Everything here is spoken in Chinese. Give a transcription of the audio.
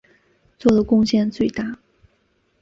做的贡献最大。